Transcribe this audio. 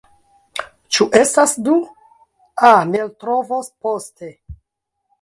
Ĉu estas du? A, mi eltrovos poste.